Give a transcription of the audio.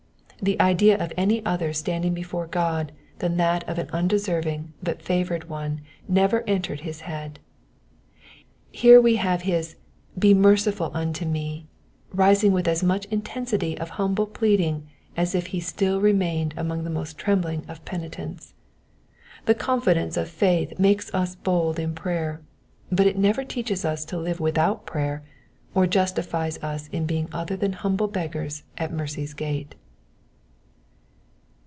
The idea of any other standing before God than that of an undeserving but favoured one never entered his head. Here we have his Be merciful unto me" rising with as much intensity of humble pleading as if he still remained among the most trembling of penitents. The confidence of faith makes us bold in prayer, but it never teaches us to live without prayer, or justifies us in being other than humble beggars at mercy's gate.